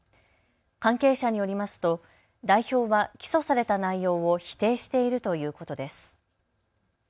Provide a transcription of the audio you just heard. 関係者によりますと代表は起訴された内容を否定しているということです。